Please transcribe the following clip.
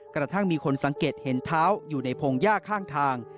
กระทั่งมีคนสังเกตเห็นเท้าอยู่ในพงหญ้าข้างทาง